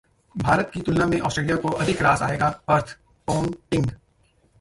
भारत की तुलना में ऑस्ट्रेलिया को अधिक रास आएगा पर्थ: पोंटिंग